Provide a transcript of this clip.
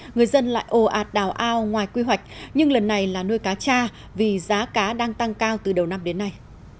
người dân lại ồ ạt đào ao ngoài quy hoạch nhưng lần này là nuôi cá cha vì giá cá đang tăng cao từ đầu năm đến nay